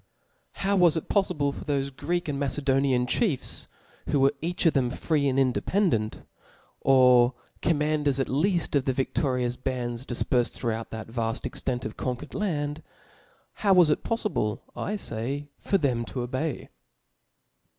How was it poflible for thofe Greek and Macedonian chiefs, who were each of them free and independent^ or commanders at lead of the vidlorious bands difperfed throughout that vafl: ex tent of conquered land, how was it poflible, I fay, for them to obey